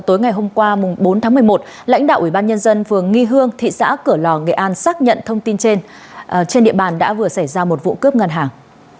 tối ngày hôm qua bốn tháng một mươi một lãnh đạo ủy ban nhân dân phường nghi hương thị xã cửa lò nghệ an xác nhận thông tin trên trên địa bàn đã vừa xảy ra một vụ cướp ngân hàng